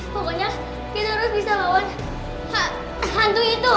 pokoknya kita harus bisa lawan hantu itu